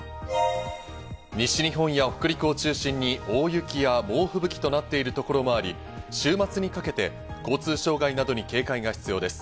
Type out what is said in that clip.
西日本や北陸を中心に、大雪や猛吹雪となっているところもあり、週末にかけて交通障害などに警戒が必要です。